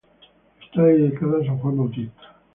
Está dedicada a san Juan Bautista.